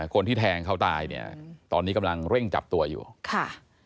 คนที่แทงเขาตายเนี่ยตอนนี้กำลังเร่งจับตัวอยู่ค่ะ